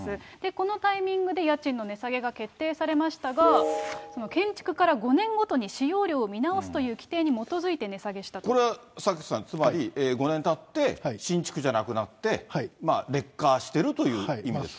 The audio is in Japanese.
このタイミングで家賃の値下げが決定されましたが、建築から５年ごとに使用料を見直すという規定に基づいて値下げしこれは榊さん、つまり５年たって、新築じゃなくなって、劣化してるという意味ですか。